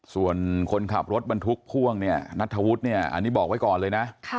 ส่วนคนขับรถบรรทุกพ่วงเนี่ยนัทธวุฒิเนี่ยอันนี้บอกไว้ก่อนเลยนะ